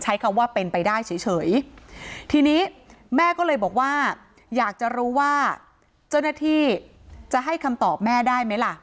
ใช้คำว่าเป็นไปได้เฉยทีนี้แม่ก็เลยบอกว่าอยากจะรู้ว่าเจ้าหน้าที่จะให้คำตอบแม่ได้ไหมล่ะ